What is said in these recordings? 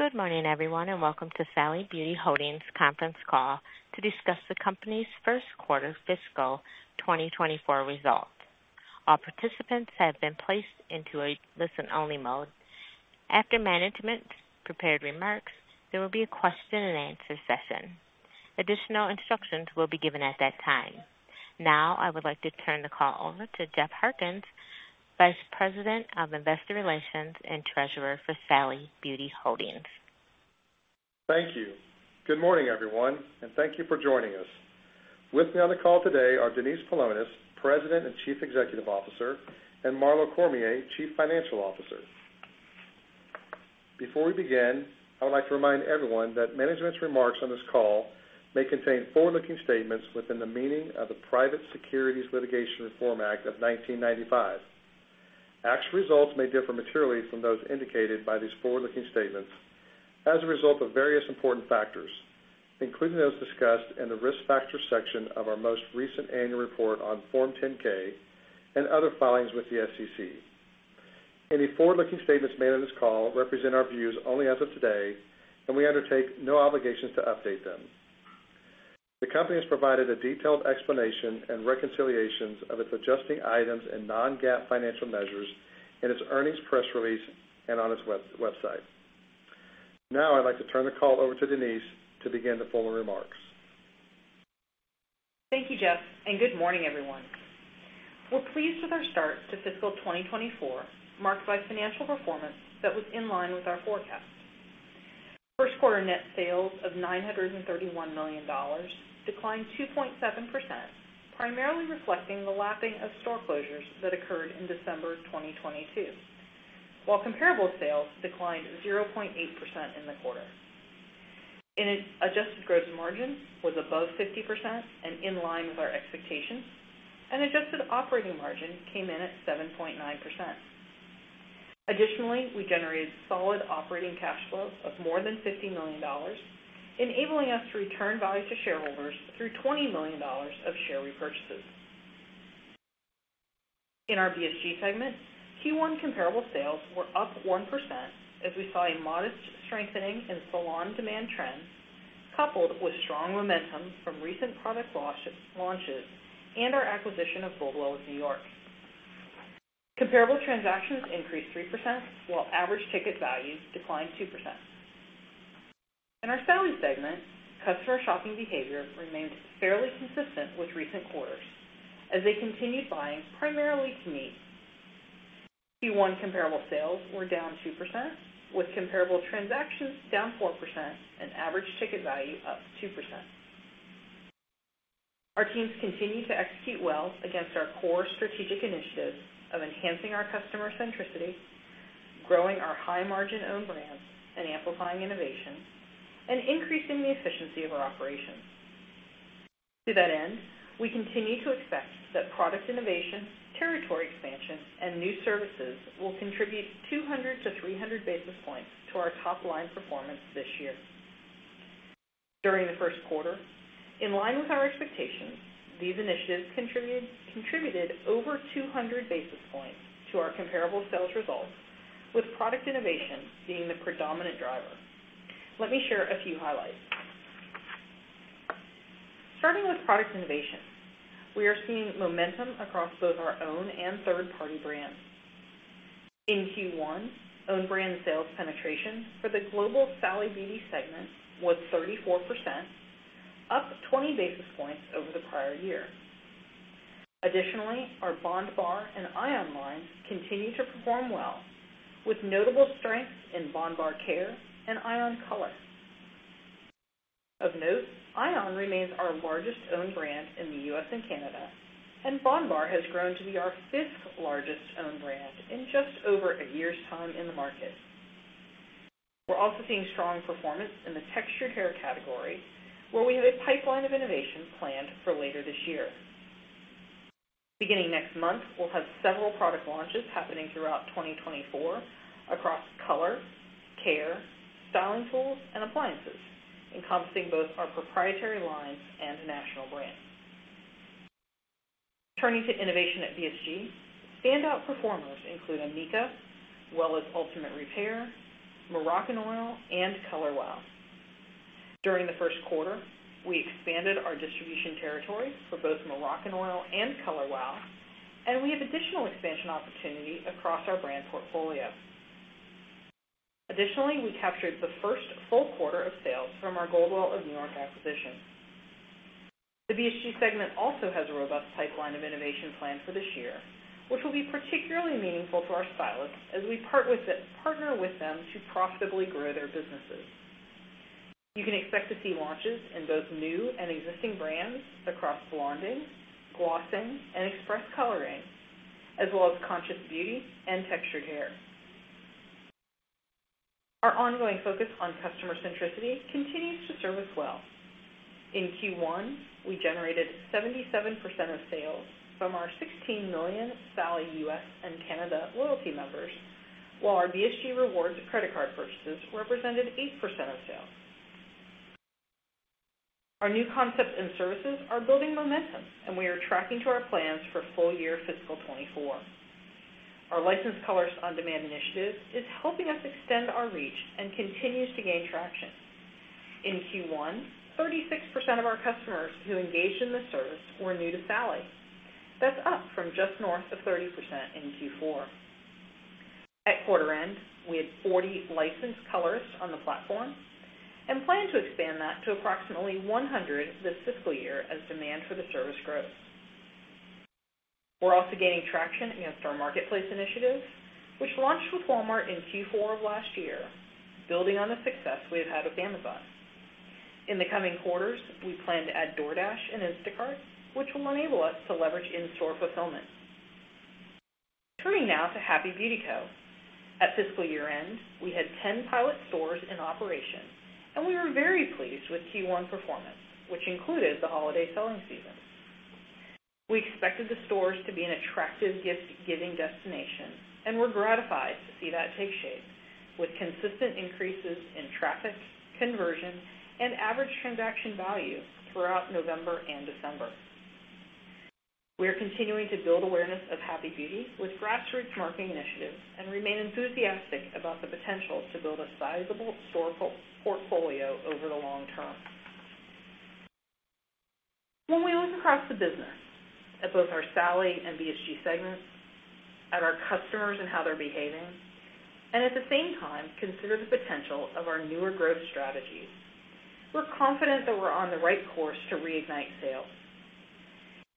Good morning, everyone, and welcome to Sally Beauty Holdings conference call to discuss the company's first quarter fiscal 2024 results. All participants have been placed into a listen-only mode. After management's prepared remarks, there will be a question-and-answer session. Additional instructions will be given at that time. Now, I would like to turn the call over to Jeff Harkins, Vice President of Investor Relations and Treasurer for Sally Beauty Holdings. Thank you. Good morning, everyone, and thank you for joining us. With me on the call today are Denise Paulonis, President and Chief Executive Officer, and Marlo Cormier, Chief Financial Officer. Before we begin, I would like to remind everyone that management's remarks on this call may contain forward-looking statements within the meaning of the Private Securities Litigation Reform Act of 1995. Actual results may differ materially from those indicated by these forward-looking statements as a result of various important factors, including those discussed in the Risk Factors section of our most recent annual report on Form 10-K and other filings with the SEC. Any forward-looking statements made on this call represent our views only as of today, and we undertake no obligations to update them. The Company has provided a detailed explanation and reconciliations of its adjusting items and non-GAAP financial measures in its earnings press release and on its website. Now I'd like to turn the call over to Denise to begin the formal remarks. Thank you, Jeff, and good morning, everyone. We're pleased with our start to fiscal 2024, marked by financial performance that was in line with our forecast. First quarter net sales of $931 million declined 2.7%, primarily reflecting the lapping of store closures that occurred in December 2022, while comparable sales declined 0.8% in the quarter. Its adjusted gross margin was above 50% and in line with our expectations, and adjusted operating margin came in at 7.9%. Additionally, we generated solid operating cash flow of more than $50 million, enabling us to return value to shareholders through $20 million of share repurchases. In our BSG segment, Q1 comparable sales were up 1%, as we saw a modest strengthening in salon demand trends, coupled with strong momentum from recent product launches and our acquisition of Goldwell New York. Comparable transactions increased 3%, while average ticket values declined 2%. In our Sally segment, customer shopping behavior remained fairly consistent with recent quarters as they continued buying primarily to need. Q1 comparable sales were down 2%, with comparable transactions down 4% and average ticket value up 2%. Our teams continue to execute well against our core strategic initiatives of enhancing our customer centricity, growing our high-margin own brands, and amplifying innovation, and increasing the efficiency of our operations. To that end, we continue to expect that product innovation, territory expansion, and new services will contribute 200-300 basis points to our top-line performance this year. During the first quarter, in line with our expectations, these initiatives contributed over 200 basis points to our comparable sales results, with product innovation being the predominant driver. Let me share a few highlights. Starting with product innovation, we are seeing momentum across both our own and third-party brands. In Q1, own brand sales penetration for the global Sally Beauty segment was 34%, up 20 basis points over the prior year. Additionally, our Bondbar and Ion lines continue to perform well, with notable strength in Bondbar Care and Ion Color. Of note, Ion remains our largest own brand in the U.S. and Canada, and Bondbar has grown to be our fifth-largest own brand in just over a year's time in the market. We're also seeing strong performance in the textured hair category, where we have a pipeline of innovation planned for later this year. Beginning next month, we'll have several product launches happening throughout 2024 across color, care, styling tools, and appliances, encompassing both our proprietary lines and national brands. Turning to innovation at BSG, standout performers include Amika, as well as Ultimate Repair, Moroccanoil, and Color Wow. During the first quarter, we expanded our distribution territory for both Moroccanoil and Color Wow, and we have additional expansion opportunities across our brand portfolio. Additionally, we captured the first full quarter of sales from our Goldwell of New York acquisition. The BSG segment also has a robust pipeline of innovation planned for this year, which will be particularly meaningful to our stylists as we partner with them to profitably grow their businesses. You can expect to see launches in both new and existing brands across blonding, glossing, and express coloring, as well as conscious beauty and textured hair. Our ongoing focus on customer centricity continues to serve us well. In Q1, we generated 77% of sales from our 16 million Sally U.S. and Canada loyalty members, while our BSG Rewards credit card purchases represented 8% of sales. Our new concepts and services are building momentum, and we are tracking to our plans for full year fiscal 2024. Our Licensed Colorist On Demand initiative is helping us extend our reach and continues to gain traction. In Q1, 36% of our customers who engaged in the service were new to Sally. That's up from just north of 30% in Q4. At quarter end, we had 40 licensed colorists on the platform and plan to expand that to approximately 100 this fiscal year as demand for the service grows. We're also gaining traction against our marketplace initiative, which launched with Walmart in Q4 of last year, building on the success we have had with Amazon. In the coming quarters, we plan to add DoorDash and Instacart, which will enable us to leverage in-store fulfillment. Turning now to Happy Beauty Co. At fiscal year-end, we had 10 pilot stores in operation, and we were very pleased with Q1 performance, which included the holiday selling season. We expected the stores to be an attractive gift-giving destination and were gratified to see that take shape, with consistent increases in traffic, conversion, and average transaction value throughout November and December. We are continuing to build awareness of Happy Beauty with grassroots marketing initiatives and remain enthusiastic about the potential to build a sizable store portfolio over the long term. When we look across the business at both our Sally and BSG segments, at our customers and how they're behaving, and at the same time, consider the potential of our newer growth strategies, we're confident that we're on the right course to reignite sales.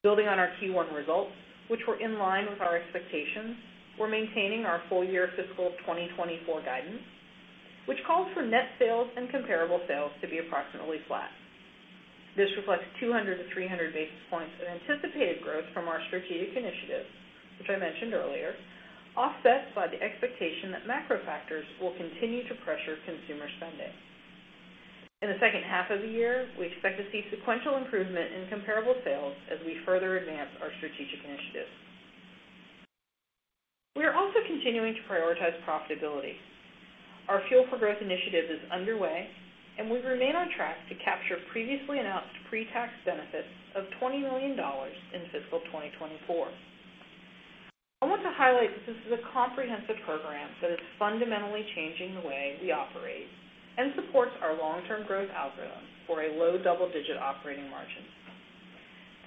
Building on our Q1 results, which were in line with our expectations, we're maintaining our full year fiscal 2024 guidance, which calls for net sales and comparable sales to be approximately flat. This reflects 200-300 basis points of anticipated growth from our strategic initiatives, which I mentioned earlier, offset by the expectation that macro factors will continue to pressure consumer spending. In the second half of the year, we expect to see sequential improvement in comparable sales as we further advance our strategic initiatives. We are also continuing to prioritize profitability. Our Fuel for Growth initiative is underway, and we remain on track to capture previously announced pre-tax benefits of $20 million in fiscal 2024. I want to highlight that this is a comprehensive program that is fundamentally changing the way we operate and supports our long-term growth algorithm for a low double-digit operating margin.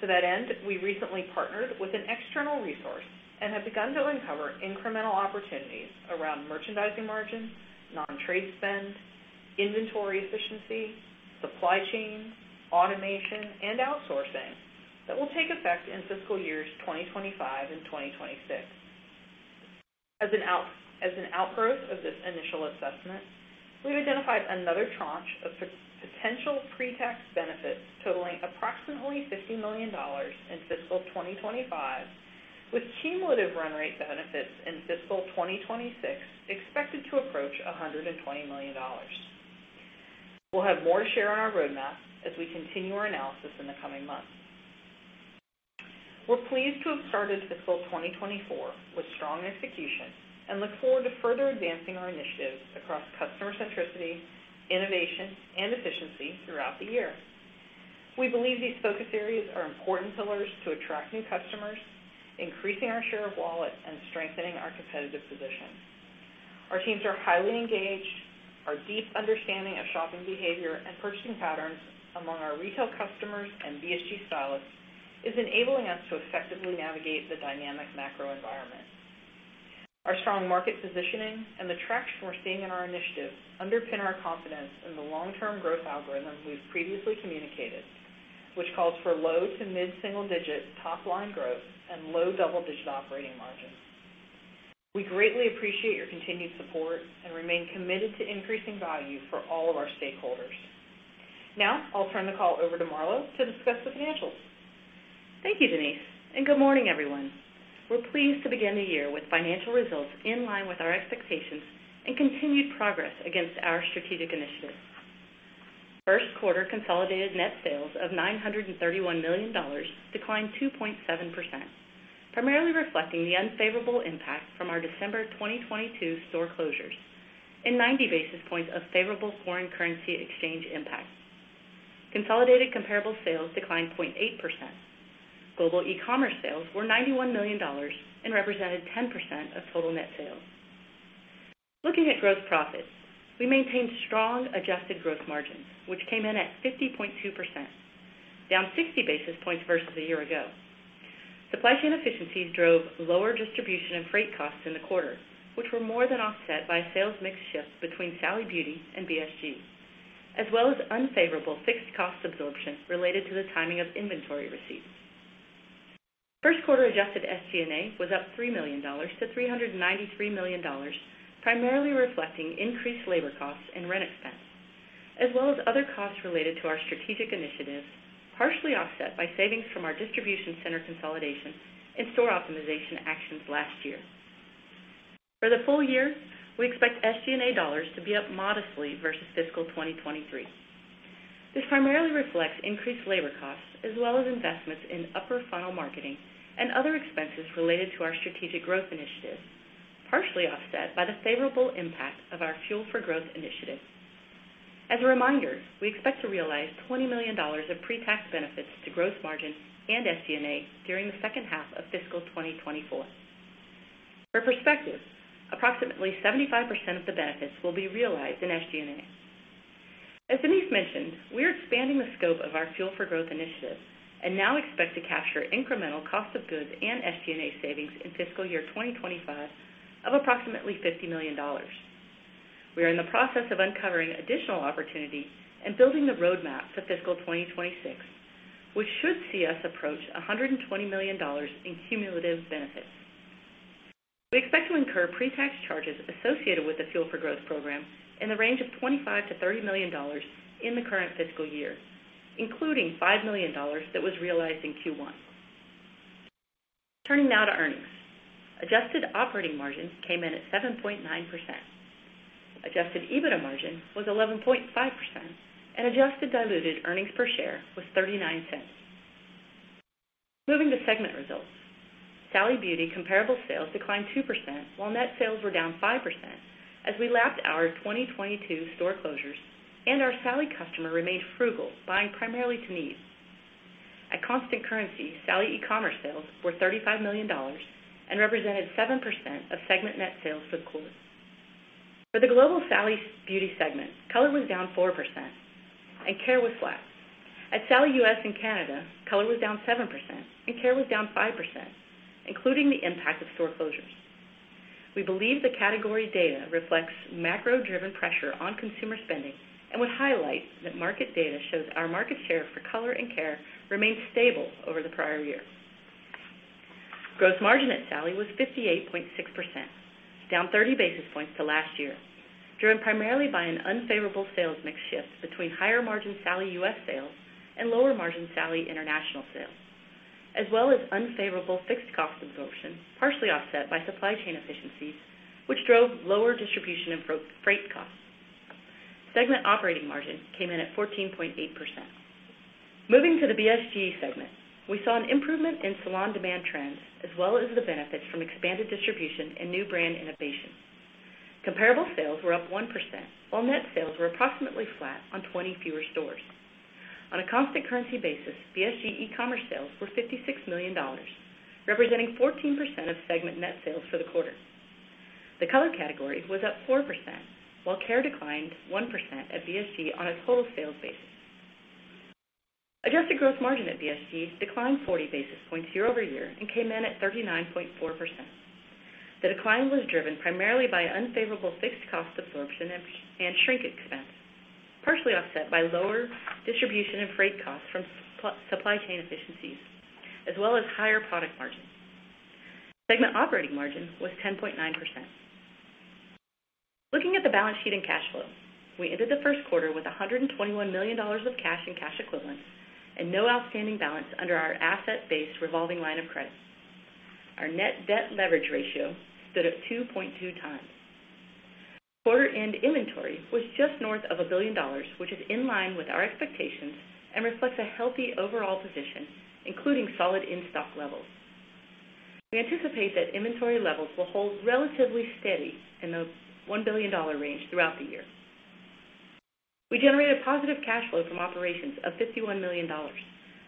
To that end, we recently partnered with an external resource and have begun to uncover incremental opportunities around merchandising margin, non-trade spend, inventory efficiency, supply chain, automation, and outsourcing that will take effect in fiscal years 2025 and 2026. As an outgrowth of this initial assessment, we've identified another tranche of potential pre-tax benefits totaling approximately $50 million in fiscal 2025, with cumulative run rate benefits in fiscal 2026 expected to approach $120 million. We'll have more to share on our roadmap as we continue our analysis in the coming months. We're pleased to have started fiscal 2024 with strong execution and look forward to further advancing our initiatives across customer centricity, innovation, and efficiency throughout the year. We believe these focus areas are important pillars to attract new customers, increasing our share of wallet, and strengthening our competitive position. Our teams are highly engaged. Our deep understanding of shopping behavior and purchasing patterns among our retail customers and BSG stylists is enabling us to effectively navigate the dynamic macro environment. Our strong market positioning and the traction we're seeing in our initiatives underpin our confidence in the long-term growth algorithms we've previously communicated, which calls for low- to mid-single-digit top-line growth and low double-digit operating margins. We greatly appreciate your continued support and remain committed to increasing value for all of our stakeholders. Now, I'll turn the call over to Marlo to discuss the financials. Thank you, Denise, and good morning, everyone. We're pleased to begin the year with financial results in line with our expectations and continued progress against our strategic initiatives. First quarter consolidated net sales of $931 million declined 2.7%, primarily reflecting the unfavorable impact from our December 2022 store closures and 90 basis points of favorable foreign currency exchange impact. Consolidated comparable sales declined 0.8%. Global e-commerce sales were $91 million and represented 10% of total net sales. Looking at gross profits, we maintained strong adjusted gross margins, which came in at 50.2%, down 60 basis points versus a year ago. Supply chain efficiencies drove lower distribution and freight costs in the quarter, which were more than offset by a sales mix shift between Sally Beauty and BSG, as well as unfavorable fixed cost absorption related to the timing of inventory receipts. First quarter adjusted SG&A was up $3 million-$393 million, primarily reflecting increased labor costs and rent expense, as well as other costs related to our strategic initiatives, partially offset by savings from our distribution center consolidation and store optimization actions last year. For the full year, we expect SG&A dollars to be up modestly versus fiscal 2023. This primarily reflects increased labor costs, as well as investments in upper funnel marketing and other expenses related to our strategic growth initiatives....partially offset by the favorable impact of our Fuel for Growth initiative. As a reminder, we expect to realize $20 million of pre-tax benefits to gross margin and SG&A during the second half of fiscal 2024. For perspective, approximately 75% of the benefits will be realized in SG&A. As Denise mentioned, we are expanding the scope of our Fuel for Growth initiative, and now expect to capture incremental cost of goods and SG&A savings in fiscal year 2025 of approximately $50 million. We are in the process of uncovering additional opportunities and building the roadmap for fiscal 2026, which should see us approach $120 million in cumulative benefits. We expect to incur pre-tax charges associated with the Fuel for Growth program in the range of $25 million-$30 million in the current fiscal year, including $5 million that was realized in Q1. Turning now to earnings. Adjusted Operating Margin came in at 7.9%. Adjusted EBITDA Margin was 11.5%, and Adjusted Diluted Earnings Per Share was $0.39. Moving to segment results. Sally Beauty comparable sales declined 2%, while net sales were down 5%, as we lapped our 2022 store closures and our Sally customer remained frugal, buying primarily to need. At constant currency, Sally e-commerce sales were $35 million and represented 7% of segment net sales for the quarter. For the global Sally Beauty segment, color was down 4% and care was flat. At Sally U.S. and Canada, color was down 7% and care was down 5%, including the impact of store closures. We believe the category data reflects macro-driven pressure on consumer spending and would highlight that market data shows our market share for color and care remains stable over the prior year. Gross margin at Sally was 58.6%, down 30 basis points to last year, driven primarily by an unfavorable sales mix shift between higher margin Sally U.S. sales and lower margin Sally International sales, as well as unfavorable fixed cost absorption, partially offset by supply chain efficiencies, which drove lower distribution and product freight costs. Segment operating margin came in at 14.8%. Moving to the BSG segment, we saw an improvement in salon demand trends, as well as the benefits from expanded distribution and new brand innovations. Comparable sales were up 1%, while net sales were approximately flat on 20 fewer stores. On a constant currency basis, BSG e-commerce sales were $56 million, representing 14% of segment net sales for the quarter. The color category was up 4%, while care declined 1% at BSG on a total sales basis. Adjusted gross margin at BSG declined 40 basis points year over year and came in at 39.4%. The decline was driven primarily by unfavorable fixed cost absorption and shrink expense, partially offset by lower distribution and freight costs from supply chain efficiencies, as well as higher product margins. Segment operating margin was 10.9%. Looking at the balance sheet and cash flow, we ended the first quarter with $121 million of cash and cash equivalents, and no outstanding balance under our asset-based revolving line of credit. Our net debt leverage ratio stood at 2.2 times. Quarter-end inventory was just north of $1 billion, which is in line with our expectations and reflects a healthy overall position, including solid in-stock levels. We anticipate that inventory levels will hold relatively steady in the $1 billion range throughout the year. We generated positive cash flow from operations of $51 million,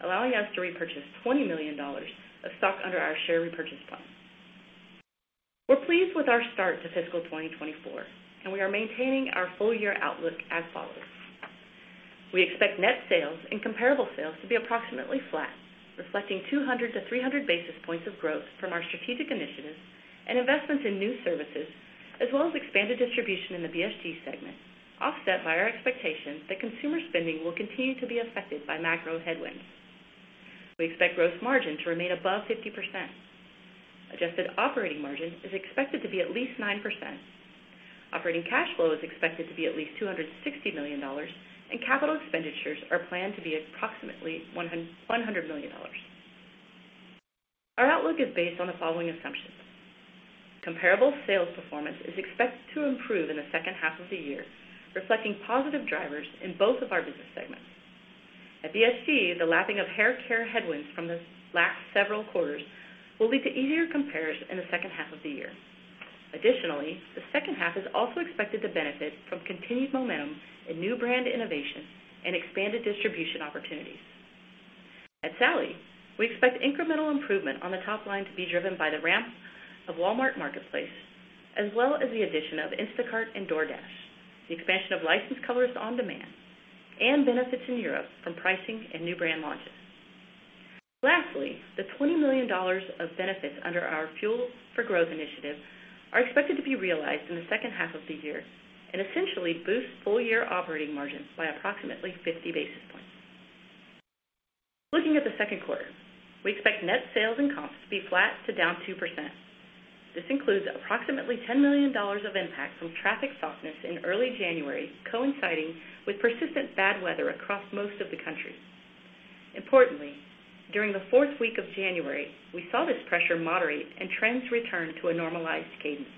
allowing us to repurchase $20 million of stock under our share repurchase plan. We're pleased with our start to fiscal 2024, and we are maintaining our full year outlook as follows: We expect net sales and comparable sales to be approximately flat, reflecting 200-300 basis points of growth from our strategic initiatives and investments in new services, as well as expanded distribution in the BSG segment, offset by our expectation that consumer spending will continue to be affected by macro headwinds. We expect gross margin to remain above 50%. Adjusted operating margin is expected to be at least 9%. Operating cash flow is expected to be at least $260 million, and capital expenditures are planned to be approximately $100 million. Our outlook is based on the following assumptions. Comparable sales performance is expected to improve in the second half of the year, reflecting positive drivers in both of our business segments. At BSG, the lapping of hair care headwinds from the last several quarters will lead to easier comparison in the second half of the year. Additionally, the second half is also expected to benefit from continued momentum in new brand innovations and expanded distribution opportunities. At Sally, we expect incremental improvement on the top line to be driven by the ramp of Walmart Marketplace, as well as the addition of Instacart and DoorDash, the expansion of Licensed Colorist On Demand, and benefits in Europe from pricing and new brand launches. Lastly, the $20 million of benefits under our Fuel for Growth initiative are expected to be realized in the second half of the year and essentially boost full year operating margins by approximately 50 basis points. Looking at the second quarter, we expect net sales and comps to be flat to down 2%. This includes approximately $10 million of impact from traffic softness in early January, coinciding with persistent bad weather across most of the country. Importantly, during the fourth week of January, we saw this pressure moderate and trends return to a normalized cadence.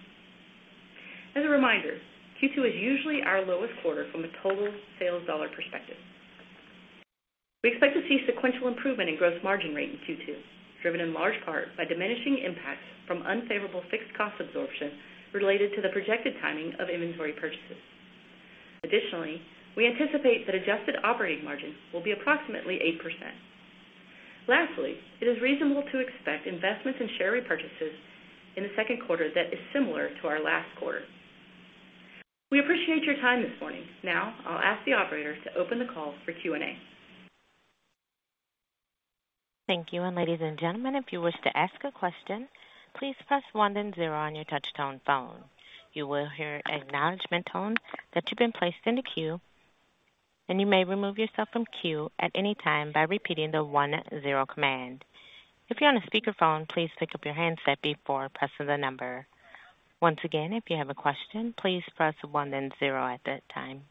As a reminder, Q2 is usually our lowest quarter from a total sales dollar perspective. ...We expect to see sequential improvement in gross margin rate in Q2, driven in large part by diminishing impacts from unfavorable fixed cost absorption related to the projected timing of inventory purchases. Additionally, we anticipate that adjusted operating margin will be approximately 8%. Lastly, it is reasonable to expect investments in share repurchases in the second quarter that is similar to our last quarter. We appreciate your time this morning. Now I'll ask the operator to open the call for Q&A. Thank you. And ladies and gentlemen, if you wish to ask a question, please press one, then zero on your touchtone phone. You will hear an acknowledgment tone that you've been placed in the queue, and you may remove yourself from queue at any time by repeating the one, zero command. If you're on a speakerphone, please pick up your handset before pressing the number. Once again, if you have a question, please press one, then zero at that time.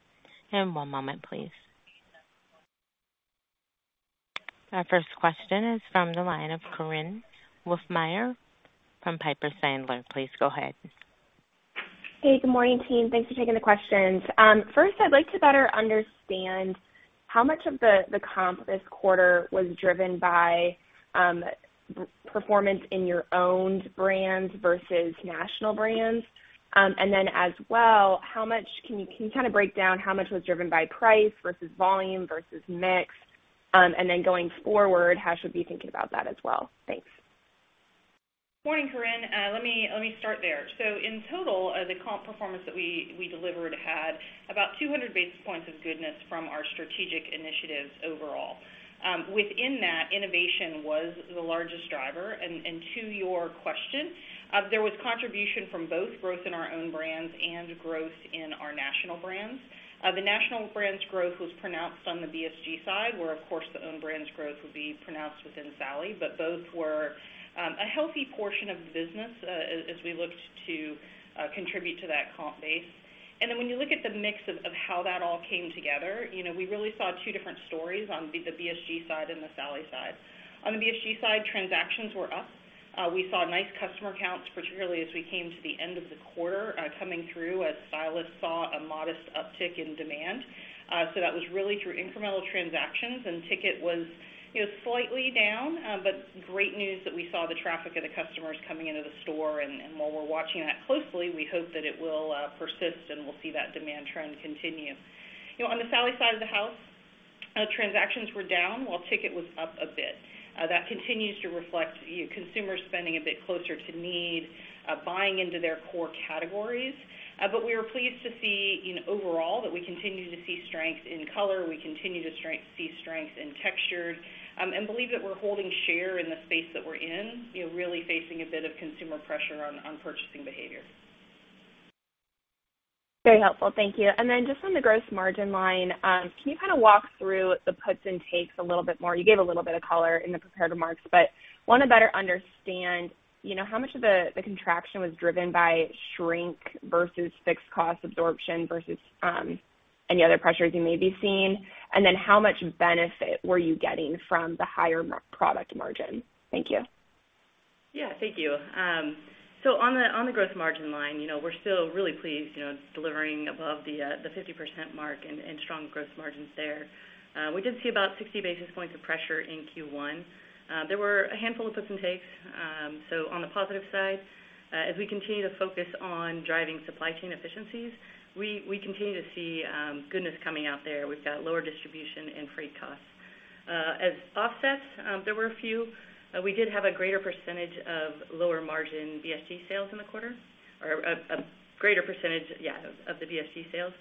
And one moment, please. Our first question is from the line of Korinne Wolfmeyer from Piper Sandler. Please go ahead. Hey, good morning, team. Thanks for taking the questions. First, I'd like to better understand how much of the comp this quarter was driven by performance in your owned brands versus national brands. And then as well, how much—can you kinda break down how much was driven by price versus volume versus mix? And then going forward, how should we be thinking about that as well? Thanks. Morning, Korinne. Let me start there. So in total, the comp performance that we delivered had about 200 basis points of goodness from our strategic initiatives overall. Within that, innovation was the largest driver. And to your question, there was contribution from both growth in our own brands and growth in our national brands. The national brands growth was pronounced on the BSG side, where, of course, the own brands growth would be pronounced within Sally. But both were a healthy portion of the business, as we looked to contribute to that comp base. And then when you look at the mix of how that all came together, you know, we really saw two different stories on the BSG side and the Sally side. On the BSG side, transactions were up. We saw nice customer counts, particularly as we came to the end of the quarter, coming through as stylists saw a modest uptick in demand. So that was really through incremental transactions, and ticket was, you know, slightly down, but great news that we saw the traffic of the customers coming into the store. And while we're watching that closely, we hope that it will persist, and we'll see that demand trend continue. You know, on the Sally side of the house, transactions were down while ticket was up a bit. That continues to reflect consumer spending a bit closer to need, buying into their core categories. But we were pleased to see in overall, that we continue to see strength in color. We continue to see strength in textures, and believe that we're holding share in the space that we're in, you know, really facing a bit of consumer pressure on purchasing behavior. Very helpful. Thank you. And then just on the gross margin line, can you kinda walk through the puts and takes a little bit more? You gave a little bit of color in the prepared remarks, but want to better understand, you know, how much of the contraction was driven by shrink versus Fixed Cost Absorption versus any other pressures you may be seeing. And then how much benefit were you getting from the higher mar- product margin? Thank you. Yeah, thank you. So on the gross margin line, you know, we're still really pleased, you know, delivering above the 50% mark and strong gross margins there. We did see about 60 basis points of pressure in Q1. There were a handful of puts and takes. So on the positive side, as we continue to focus on driving supply chain efficiencies, we continue to see goodness coming out there. We've got lower distribution and freight costs. As offsets, there were a few. We did have a greater percentage of lower margin BSG sales in the quarter or a greater percentage, yeah, of the BSG sales.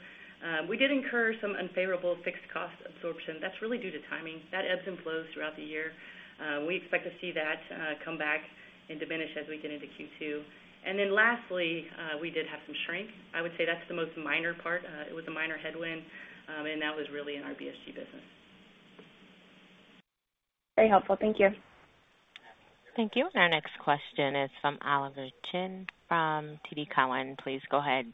We did incur some unfavorable fixed cost absorption. That's really due to timing. That ebbs and flows throughout the year. We expect to see that come back and diminish as we get into Q2. And then lastly, we did have some shrink. I would say that's the most minor part. It was a minor headwind, and that was really in our BSG business. Very helpful. Thank you. Thank you. Our next question is from Oliver Chen, from TD Cowen. Please go ahead.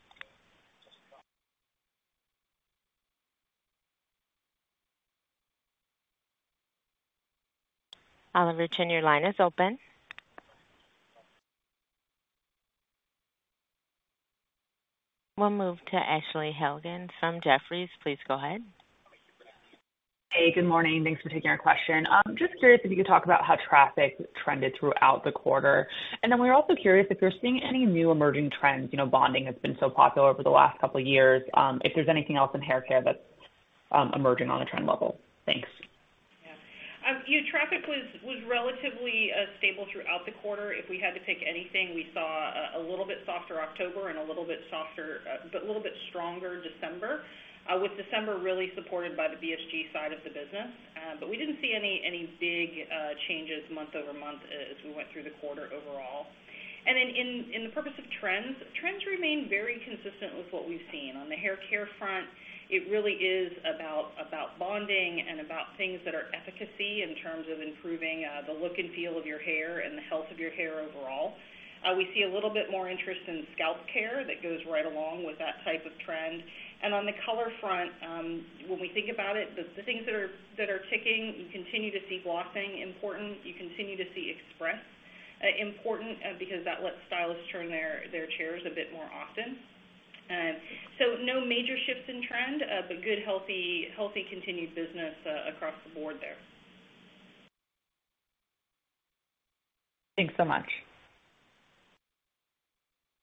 Oliver Chen, your line is open. We'll move to Ashley Helgans from Jefferies. Please go ahead. Hey, good morning. Thanks for taking our question. Just curious if you could talk about how traffic trended throughout the quarter, and then we're also curious if you're seeing any new emerging trends. You know, bonding has been so popular over the last couple of years. If there's anything else in hair care that's emerging on a trend level. Thanks. Yeah. Traffic was relatively stable throughout the quarter. If we had to pick anything, we saw a little bit softer October and a little bit softer, but a little bit stronger December, with December really supported by the BSG side of the business. But we didn't see any big changes month-over-month as we went through the quarter overall. And then in the purview of trends, trends remain very consistent with what we've seen. On the hair care front, it really is about bonding and about things that are efficacy in terms of improving the look and feel of your hair and the health of your hair overall. We see a little bit more interest in scalp care that goes right along with that type of trend. On the color front, when we think about it, the things that are ticking, you continue to see glossing important. You continue to see express important, because that lets stylists turn their chairs a bit more often. So no major shifts in trend, but good, healthy continued business across the board there. Thanks so much.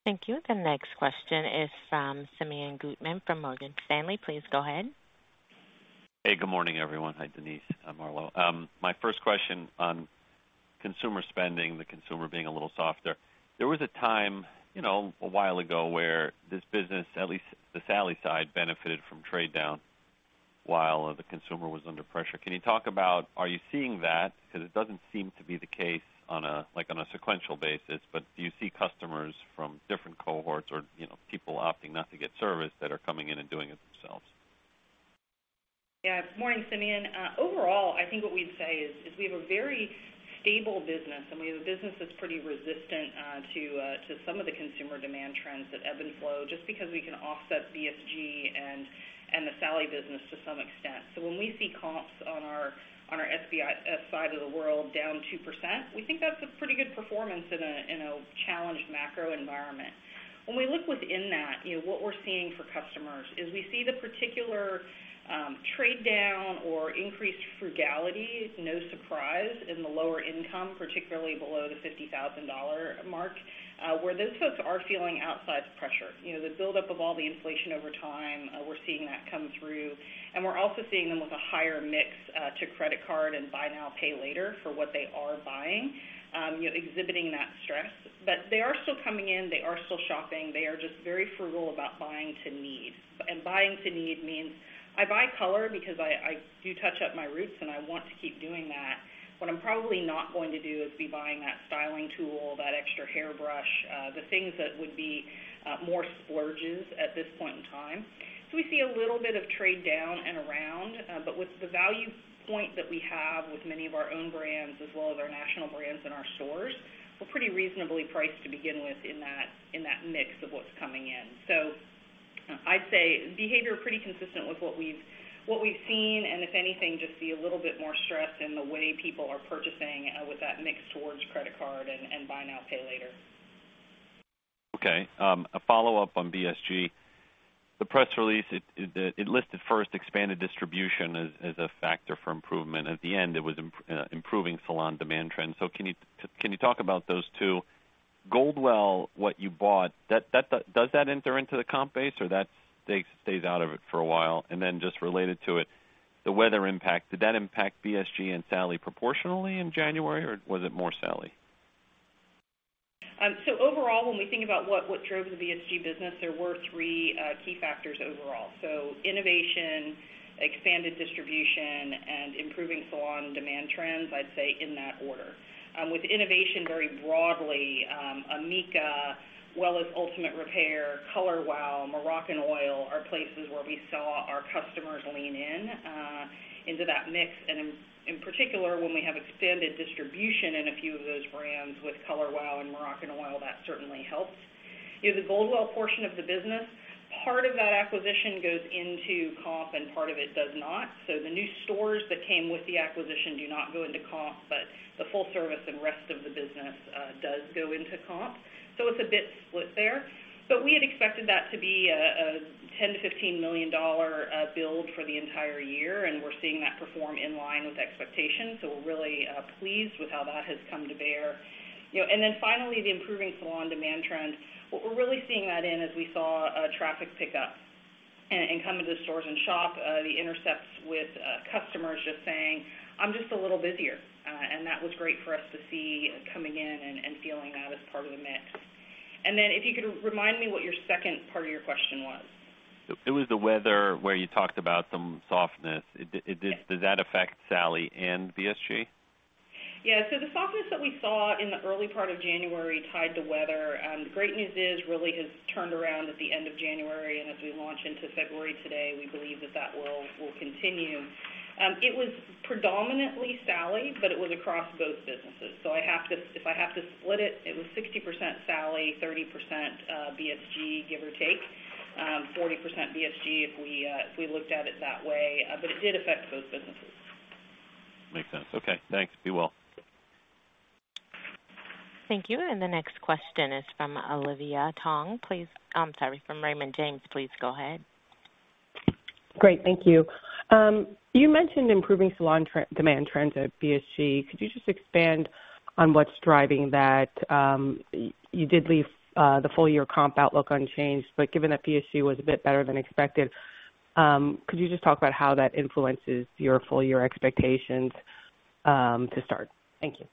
Thank you. The next question is from Simeon Gutman from Morgan Stanley. Please go ahead. Hey, good morning, everyone. Hi, Denise, Marlo. My first question on consumer spending, the consumer being a little softer. There was a time, you know, a while ago, where this business, at least the Sally side, benefited from trade down while the consumer was under pressure. Can you talk about, are you seeing that? 'Cause it doesn't seem to be the case on a, like, on a sequential basis, but do you see customers from different cohorts or, you know, people opting not to get service that are coming in and doing it themselves? Yeah. Morning, Simeon. Overall, I think what we'd say is we have a very stable business, and we have a business that's pretty resistant to some of the consumer demand trends that ebb and flow just because we can offset BSG and the Sally business to some extent. So when we see comps on our SBS side of the world down 2%, we think that's a pretty good performance in a challenged macro environment. When we look within that, you know, what we're seeing for customers is we see the particular trade down or increased frugality is no surprise in the lower income, particularly below the $50,000 mark, where those folks are feeling outside pressure. You know, the buildup of all the inflation over time, we're seeing that come through, and we're also seeing them with a higher mix to credit card and buy now, pay later for what they are buying, you know, exhibiting that stress. But they are still coming in. They are still shopping. They are just very frugal about buying to need. And buying to need means I buy color because I do touch up my roots, and I want to keep doing that. What I'm probably not going to do is be buying that styling tool, that extra hairbrush, the things that would be more splurges at this point in time. So we see a little bit of trade down and around, but with the value point that we have with many of our own brands as well as our national brands in our stores, we're pretty reasonably priced to begin with in that, in that mix of what's coming in. So I'd say behavior pretty consistent with what we've, what we've seen, and if anything, just see a little bit more stress in the way people are purchasing, with that mix towards credit card and, and buy now, pay later. Okay, a follow-up on BSG. The press release listed first expanded distribution as a factor for improvement. At the end, it was improving salon demand trends. So can you talk about those two? Goldwell, what you bought, that does that enter into the comp base, or that stays out of it for a while? And then just related to it, the weather impact, did that impact BSG and Sally proportionally in January, or was it more Sally? So overall, when we think about what drove the BSG business, there were three key factors overall. So innovation, expanded distribution, and improving salon demand trends, I'd say in that order. With innovation very broadly, Amika, as well as Ultimate Repair, Color Wow, Moroccanoil are places where we saw our customers lean in into that mix. And in particular, when we have expanded distribution in a few of those brands with Color Wow and Moroccanoil, that certainly helps. In the Goldwell portion of the business, part of that acquisition goes into comp, and part of it does not. So the new stores that came with the acquisition do not go into comp, but the full service and rest of the business does go into comp. So it's a bit split there. But we had expected that to be a $10 million-$15 million build for the entire year, and we're seeing that perform in line with expectations. So we're really pleased with how that has come to bear. You know, and then finally, the improving salon demand trend. What we're really seeing that in is we saw a traffic pickup and come into the stores and shop the intercepts with customers just saying, "I'm just a little busier." And that was great for us to see coming in and feeling that as part of the mix. And then if you could remind me what your second part of your question was. It was the weather, where you talked about some softness. Yes. Did that affect Sally and BSG? Yeah, so the softness that we saw in the early part of January tied to weather. The great news is, really has turned around at the end of January, and as we launch into February today, we believe that that will, will continue. It was predominantly Sally, but it was across both businesses, so I have to, if I have to split it, it was 60% Sally, 30% BSG, give or take, 40% BSG, if we, if we looked at it that way. But it did affect both businesses. Makes sense. Okay, thanks. Be well. Thank you. And the next question is from Olivia Tong. Please... I'm sorry, from Raymond James. Please go ahead. Great, thank you. You mentioned improving salon trend-demand trends at BSG. Could you just expand on what's driving that? You did leave the full year comp outlook unchanged, but given that BSG was a bit better than expected, could you just talk about how that influences your full year expectations, to start? Thank you.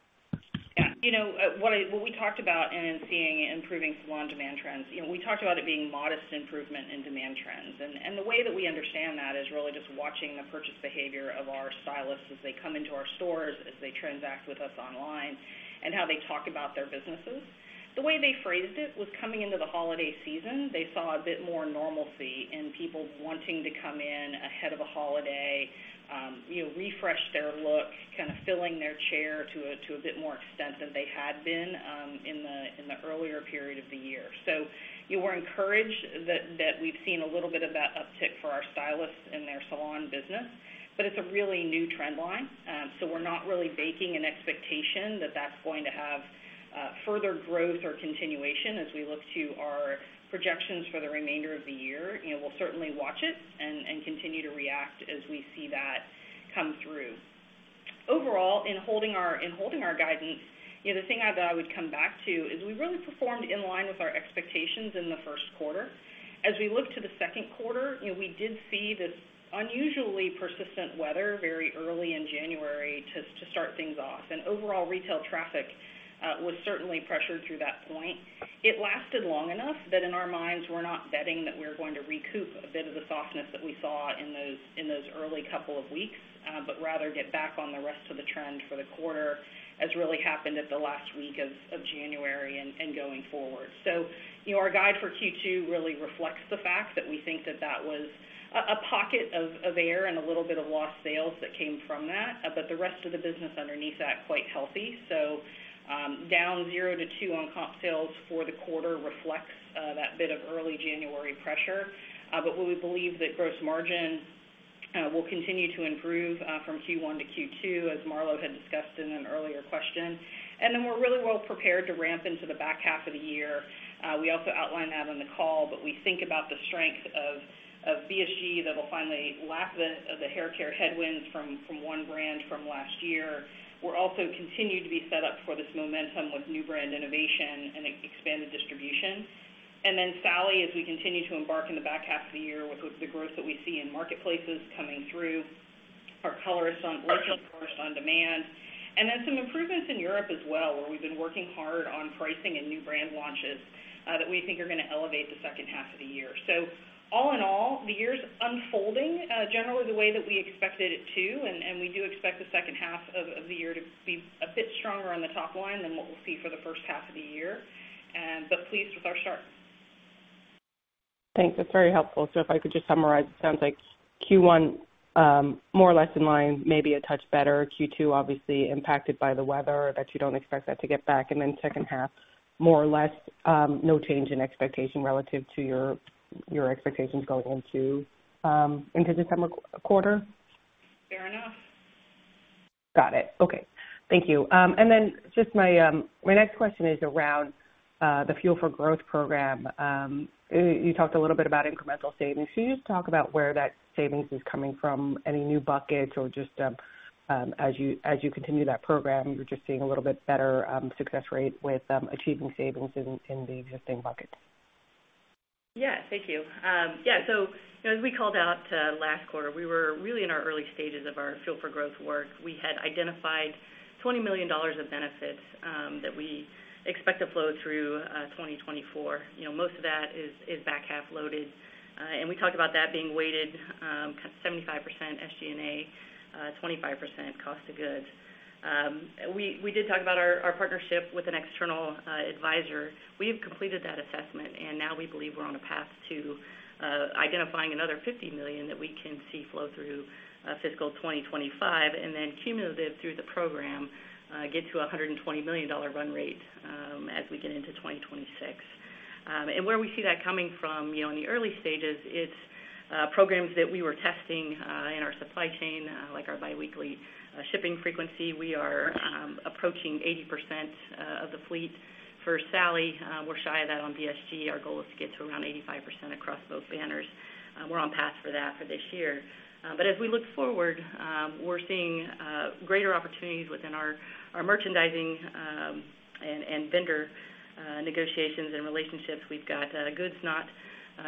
Yeah. You know, what we talked about and in seeing improving salon demand trends, you know, we talked about it being modest improvement in demand trends. And the way that we understand that is really just watching the purchase behavior of our stylists as they come into our stores, as they transact with us online, and how they talk about their businesses. The way they phrased it was coming into the holiday season, they saw a bit more normalcy in people wanting to come in ahead of a holiday, you know, refresh their look, kind of filling their chair to a bit more extent than they had been in the earlier period of the year. So you were encouraged that we've seen a little bit of that uptick for our stylists in their salon business. But it's a really new trend line. So we're not really baking an expectation that that's going to have further growth or continuation as we look to our projections for the remainder of the year. You know, we'll certainly watch it and continue to react as we see that come through. Overall, in holding our guidance, you know, the thing that I would come back to is we really performed in line with our expectations in the first quarter. As we look to the second quarter, you know, we did see this unusually persistent weather very early in January to start things off, and overall retail traffic was certainly pressured through that point. It lasted long enough that in our minds, we're not betting that we're going to recoup a bit of the softness that we saw in those early couple of weeks, but rather get back on the rest of the trend for the quarter, as really happened at the last week of January and going forward. So, you know, our guide for Q2 really reflects the fact that we think that that was a pocket of air and a little bit of lost sales that came from that, but the rest of the business underneath that, quite healthy. So, down 0-2 on comp sales for the quarter reflects that bit of early January pressure. But we believe that gross margin will continue to improve from Q1 to Q2, as Marlo had discussed in an earlier question. And then we're really well prepared to ramp into the back half of the year. We also outlined that on the call, but we think about the strength of BSG that will finally lack the hair care headwinds from one brand from last year. We're also continued to be set up for this momentum with new brand innovation and expanded distribution. And then Sally, as we continue to embark in the back half of the year with the growth that we see in marketplaces coming through, our Licensed Colorist On Demand, and then some improvements in Europe as well, where we've been working hard on pricing and new brand launches, that we think are gonna elevate the second half of the year. So all in all, the year's unfolding generally the way that we expected it to, and we do expect the second half of the year to be a bit stronger on the top line than what we'll see for the first half of the year, but pleased with our start. Thanks. That's very helpful. So if I could just summarize, it sounds like Q1, more or less in line, maybe a touch better. Q2 obviously impacted by the weather, that you don't expect that to get back, and then second half, more or less, no change in expectation relative to your expectations going into the December quarter? Fair enough. Got it. Okay. Thank you. And then just my next question is around the Fuel for Growth program. You talked a little bit about incremental savings. Can you just talk about where that savings is coming from? Any new buckets or just as you continue that program, you're just seeing a little bit better success rate with achieving savings in the existing buckets? Yeah, thank you. Yeah, so as we called out last quarter, we were really in our early stages of our Fuel for Growth work. We had identified $20 million of benefits that we expect to flow through 2024. You know, most of that is, is back half loaded. And we talked about that being weighted kind of 75% SG&A, 25% cost of goods. We did talk about our partnership with an external advisor. We have completed that assessment, and now we believe we're on a path to identifying another $50 million that we can see flow through fiscal 2025, and then cumulative through the program get to a $120 million run rate as we get into 2026. And where we see that coming from, you know, in the early stages, it's programs that we were testing in our supply chain, like our biweekly shipping frequency. We are approaching 80% of the fleet. For Sally, we're shy of that on BSG. Our goal is to get to around 85% across both banners. We're on path for that for this year. But as we look forward, we're seeing greater opportunities within our merchandising and vendor negotiations and relationships. We've got goods not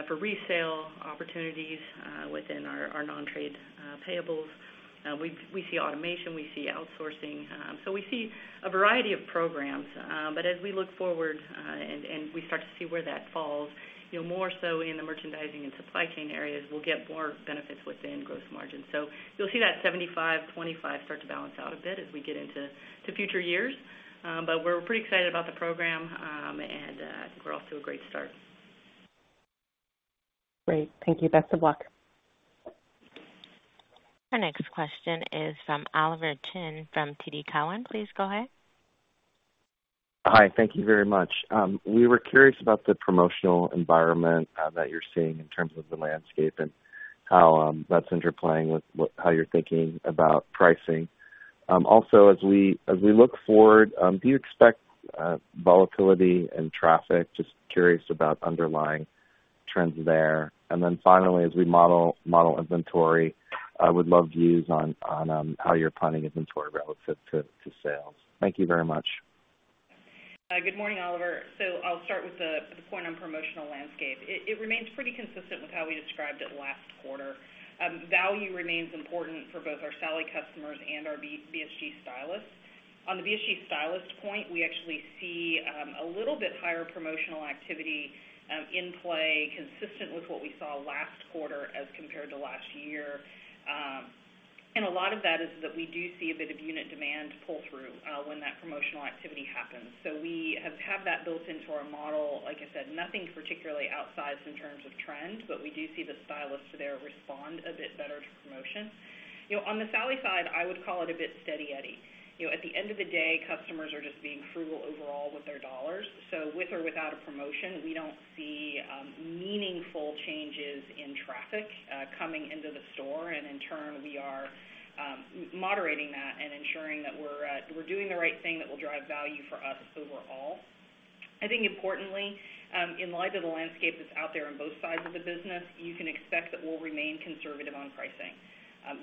for resale opportunities within our non-trade payables. We see automation, we see outsourcing. So we see a variety of programs, but as we look forward, and we start to see where that falls, you know, more so in the merchandising and supply chain areas, we'll get more benefits within gross margin. So you'll see that 75-25 start to balance out a bit as we get into the future years. But we're pretty excited about the program, and I think we're off to a great start. Great. Thank you. Best of luck. Our next question is from Oliver Chen, from TD Cowen. Please go ahead. Hi, thank you very much. We were curious about the promotional environment that you're seeing in terms of the landscape and how that's interplaying with what, how you're thinking about pricing. Also, as we, as we look forward, do you expect volatility in traffic? Just curious about underlying trends there. And then finally, as we model, model inventory, I would love views on, on how you're planning inventory relative to, to sales. Thank you very much. Good morning, Oliver. So I'll start with the point on promotional landscape. It remains pretty consistent with how we described it last quarter. Value remains important for both our Sally customers and our BSG stylists. On the BSG stylist point, we actually see a little bit higher promotional activity in play, consistent with what we saw last quarter as compared to last year. And a lot of that is that we do see a bit of unit demand pull through when that promotional activity happens. So we have had that built into our model. Like I said, nothing particularly outsized in terms of trend, but we do see the stylists there respond a bit better to promotion. You know, on the Sally side, I would call it a bit steady eddy. You know, at the end of the day, customers are just being frugal overall with their dollars. So with or without a promotion, we don't see meaningful changes in traffic coming into the store, and in turn, we are moderating that and ensuring that we're doing the right thing that will drive value for us overall. I think importantly, in light of the landscape that's out there on both sides of the business, you can expect that we'll remain conservative on pricing.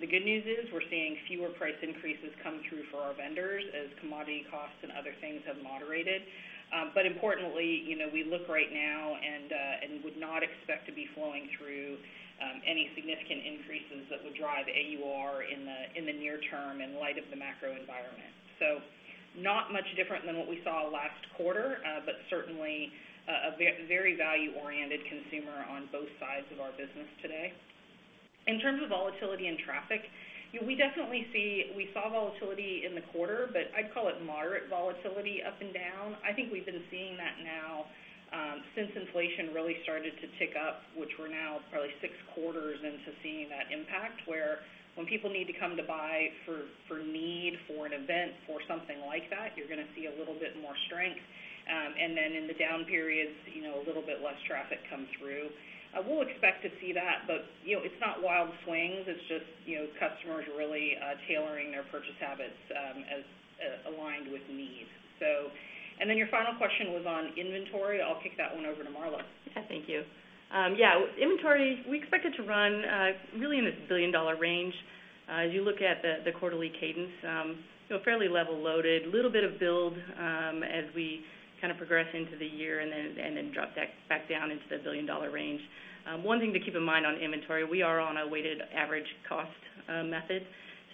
The good news is we're seeing fewer price increases come through for our vendors as commodity costs and other things have moderated. But importantly, you know, we look right now and would not expect to be flowing through any significant increases that would drive AUR in the near term in light of the macro environment. So not much different than what we saw last quarter, but certainly a very value-oriented consumer on both sides of our business today. In terms of volatility and traffic, we definitely saw volatility in the quarter, but I'd call it moderate volatility up and down. I think we've been seeing that now since inflation really started to tick up, which we're now probably six quarters into seeing that impact, where when people need to come to buy for need, for an event, for something like that, you're gonna see a little bit more strength. And then in the down periods, you know, a little bit less traffic come through. We'll expect to see that, but, you know, it's not wild swings. It's just, you know, customers really tailoring their purchase habits as aligned with need. So... And then your final question was on inventory. I'll kick that one over to Marlo. Yeah, thank you. Yeah, inventory, we expect it to run really in a billion-dollar range. As you look at the quarterly cadence, so fairly level loaded, a little bit of build as we kind of progress into the year and then drop back down into the billion-dollar range. One thing to keep in mind on inventory, we are on a weighted average cost method,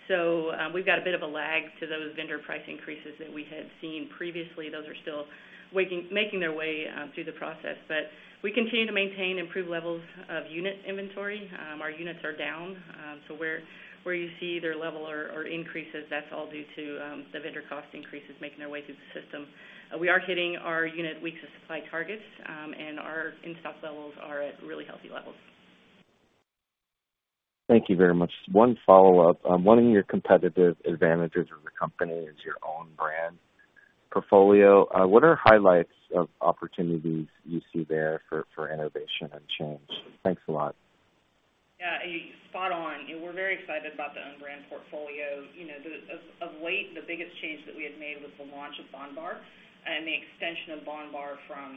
so we've got a bit of a lag to those vendor price increases that we had seen previously. Those are still making their way through the process. But we continue to maintain improved levels of unit inventory. Our units are down, so where you see their level or increases, that's all due to the vendor cost increases making their way through the system. We are hitting our unit weeks of supply targets, and our in-stock levels are at really healthy levels. Thank you very much. One follow-up. One of your competitive advantages of the company is your own brand portfolio. What are highlights of opportunities you see there for, for innovation and change? Thanks a lot. Yeah, spot on. We're very excited about the own brand portfolio. You know, of late, the biggest change that we had made was the launch of Bondbar and the extension of Bondbar from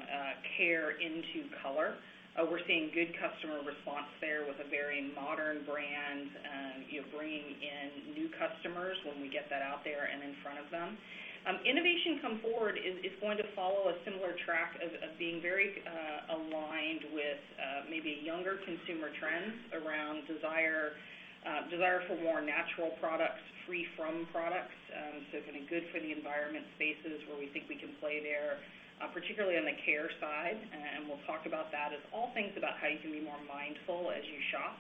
care into color. We're seeing good customer response there with a very modern brand, you know, bringing in new customers when we get that out there and in front of them. Innovation come forward is going to follow a similar track of being very aligned with maybe younger consumer trends around desire, desire for more natural products, free from products, so kind of good for the environment spaces where we think we can play there, particularly on the care side, and we'll talk about that, as all things about how you can be more mindful as you shop,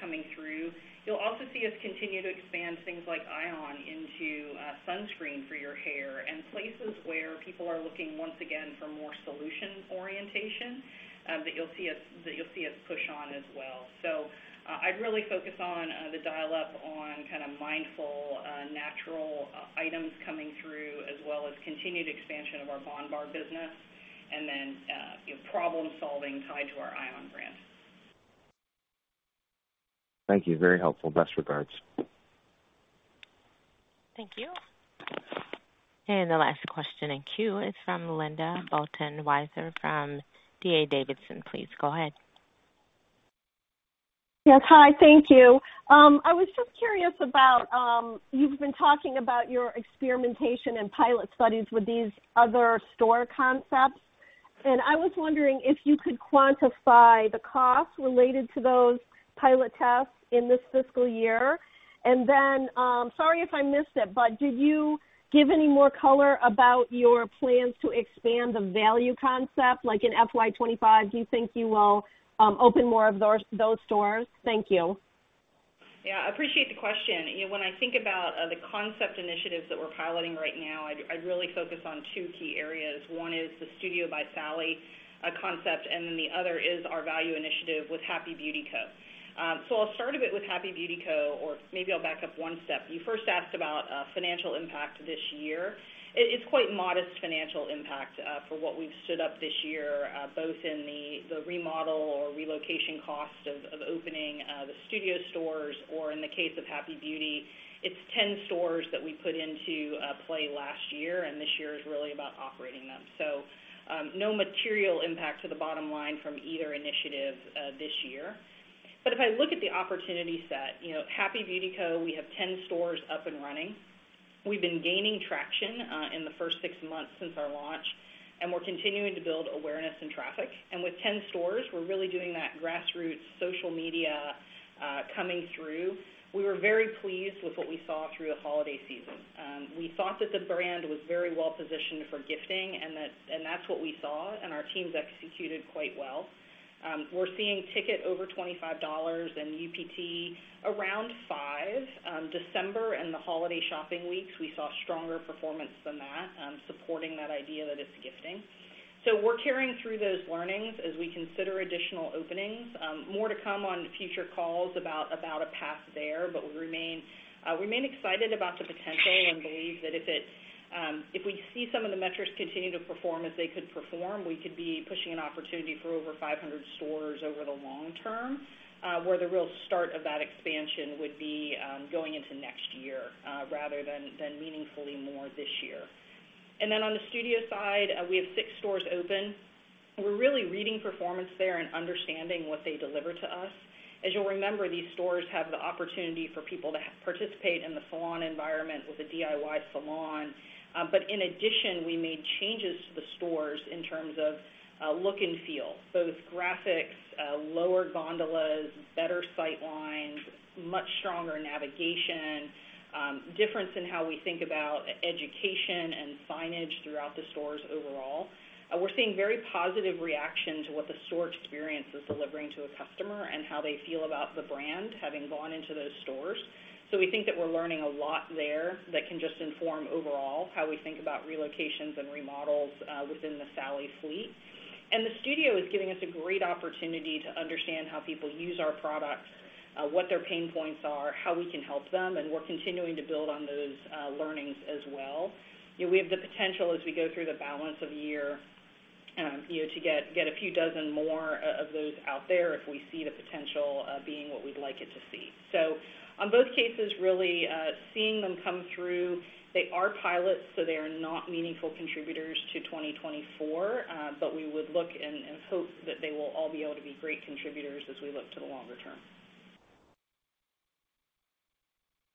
coming through. You'll also see us continue to expand things like ION into sunscreen for your hair and places where people are looking once again for more solution orientation, that you'll see us, that you'll see us push on as well. So I'd really focus on the dial up on kind of mindful, natural items coming through, as well as continued expansion of our Bondbar business, and then you know, problem-solving tied to our ION brand. Thank you. Very helpful. Best regards. Thank you. And the last question in queue is from Linda Bolton Weiser from D.A. Davidson. Please go ahead. Yes. Hi, thank you. I was just curious about... You've been talking about your experimentation and pilot studies with these other store concepts, and I was wondering if you could quantify the costs related to those pilot tests in this fiscal year. And then, sorry if I missed it, but did you give any more color about your plans to expand the value concept, like in FY 25, do you think you will, open more of those, those stores? Thank you. Yeah, I appreciate the question. You know, when I think about, the concept initiatives that we're piloting right now, I'd, I'd really focus on two key areas. One is the Studio by Sally, concept, and then the other is our value initiative with Happy Beauty Co. So I'll start a bit with Happy Beauty Co. or maybe I'll back up one step. You first asked about financial impact this year. It's quite modest financial impact for what we've stood up this year, both in the remodel or relocation cost of opening the Studio stores or in the case of Happy Beauty, it's 10 stores that we put into play last year, and this year is really about operating them. So, no material impact to the bottom line from either initiative this year. But if I look at the opportunity set, you know, Happy Beauty Co., we have 10 stores up and running. We've been gaining traction in the first 6 months since our launch, and we're continuing to build awareness and traffic. And with 10 stores, we're really doing that grassroots social media coming through. We were very pleased with what we saw through the holiday season. We thought that the brand was very well positioned for gifting, and that's what we saw, and our teams executed quite well. We're seeing ticket over $25 and UPT around 5. December and the holiday shopping weeks, we saw stronger performance than that, supporting that idea that it's gifting. So we're carrying through those learnings as we consider additional openings. More to come on future calls about a path there, but we remain, we remain excited about the potential and believe that if it, if we see some of the metrics continue to perform as they could perform, we could be pushing an opportunity for over 500 stores over the long term, where the real start of that expansion would be, going into next year, rather than meaningfully more this year. And then on the Studio side, we have six stores open. We're really reading performance there and understanding what they deliver to us. As you'll remember, these stores have the opportunity for people to participate in the salon environment with a DIY salon. But in addition, we made changes to the stores in terms of, look and feel, both graphics, lower gondolas, better sight lines, much stronger navigation, difference in how we think about education and signage throughout the stores overall. We're seeing very positive reaction to what the store experience is delivering to a customer and how they feel about the brand having gone into those stores. So we think that we're learning a lot there that can just inform overall how we think about relocations and remodels, within the Sally fleet. The Studio is giving us a great opportunity to understand how people use our products, what their pain points are, how we can help them, and we're continuing to build on those, learnings as well. We have the potential as we go through the balance of the year, you know, to get a few dozen more of those out there if we see the potential, being what we'd like it to see. So on both cases, really, seeing them come through, they are pilots, so they are not meaningful contributors to 2024. But we would look and hope that they will all be able to be great contributors as we look to the longer term.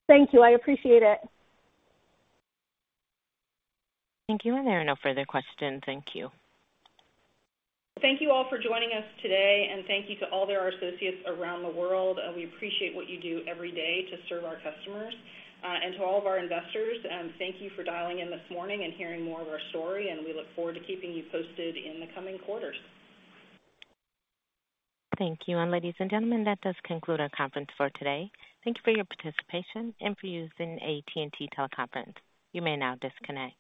Thank you. I appreciate it. Thank you. There are no further questions. Thank you. Thank you all for joining us today, and thank you to all of our associates around the world. We appreciate what you do every day to serve our customers. To all of our investors, thank you for dialing in this morning and hearing more of our story, and we look forward to keeping you posted in the coming quarters. Thank you. Ladies and gentlemen, that does conclude our conference for today. Thank you for your participation and for using AT&T Teleconference. You may now disconnect.